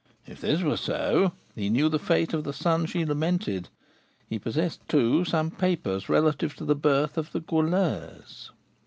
If this were so, he knew the fate of the son she lamented, he possessed, too, some papers relative to the birth of the Goualeuse.